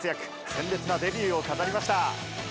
鮮烈なデビューを飾りました。